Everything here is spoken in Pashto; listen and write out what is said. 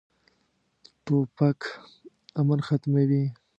توپک امن ختموي.